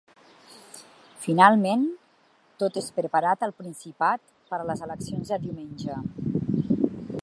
Finalment, tot és preparat al Principat per a les eleccions de diumenge.